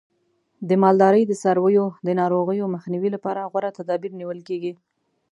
د مالدارۍ د څارویو د ناروغیو مخنیوي لپاره غوره تدابیر نیول کېږي.